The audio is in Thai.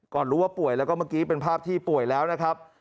ก่อนรู้ว่าป่วยก็เป็นภาพที่ผลแล้วนะครับ